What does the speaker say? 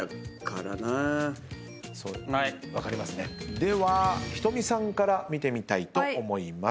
では仁美さんから見てみたいと思います。